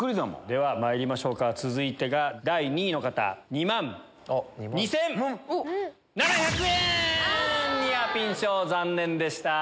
ではまいりましょうか続いてが第２位の方２万２千７００円！ニアピン賞残念でした。